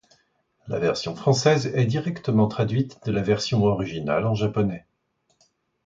La version française est directement traduite de la version originale en japonais.